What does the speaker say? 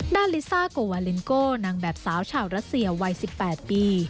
ลิซ่าโกวาเลนโก้นางแบบสาวชาวรัสเซียวัย๑๘ปี